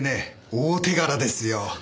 大手柄ですよ。